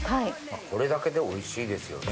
これだけでおいしいですよね。